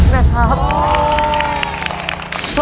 นี่นะครับ